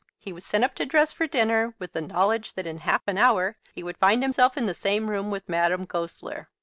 He was sent up to dress for dinner with the knowledge that in half an hour he would find himself in the same room with Madame Goesler.